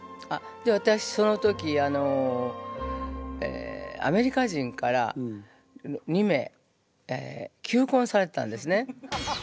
私その時あのアメリカ人から２名求婚されてたんですね。